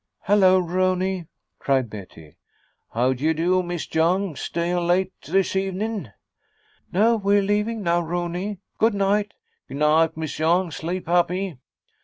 "Hello, Rooney," cried Betty. "How d'ye do, Miss Young! Stayin' late this evenin'?" "No, we're leaving now, Rooney. Good night." "G' night, Miss Young. Sleep happy."